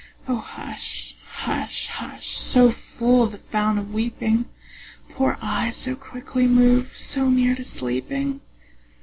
O hush, hush, hush! So full, the fount of weeping? Poor eyes, so quickly moved, so near to sleeping?